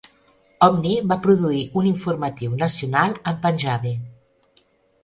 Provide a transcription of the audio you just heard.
Omni va produir un informatiu nacional en panjabi.